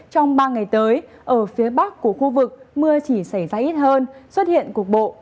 trong ba ngày tới ở phía bắc của khu vực mưa chỉ xảy ra ít hơn xuất hiện cục bộ